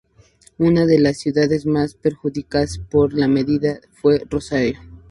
Una de las ciudades más perjudicadas por la medida, fue Rosario.